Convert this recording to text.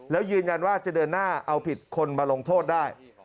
แล้วยืนยันว่าจะเดินหน้าเอาผิดคนมาลงโทษได้